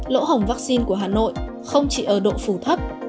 lỗ hồng vaccine của hà nội không chỉ ở độ phủ thấp